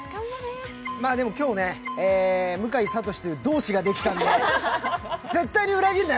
でも今日ね、向井慧という同志ができたので、絶対に裏切るなよ、慧！